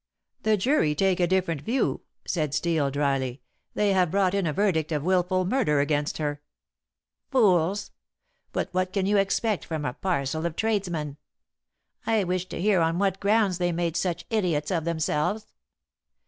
"The jury take a different view," said Steel dryly. "They have brought in a verdict of wilful murder against her." "Fools! But what can you expect from a parcel of tradesmen? I wish to hear on what grounds they made such idiots of themselves."